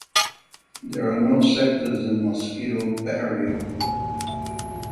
There are no sectors in Mosquito barrio.